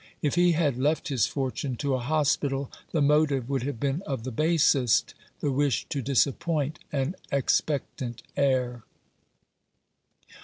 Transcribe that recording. If he had left his fortune to a hospital, the motive would have been of the basest — the wish to disappoint an expectant heir.